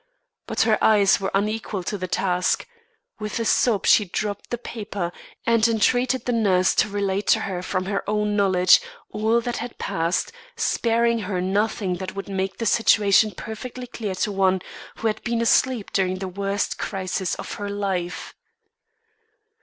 But her eyes were unequal to the task. With a sob she dropped the paper and entreated the nurse to relate to her from her own knowledge, all that had passed, sparing her nothing that would make the situation perfectly clear to one who had been asleep during the worst crisis of her life.